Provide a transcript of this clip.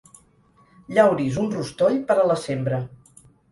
Llauris un rostoll per a la sembra.